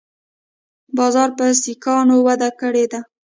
بازار په سیکانو وده کړې وه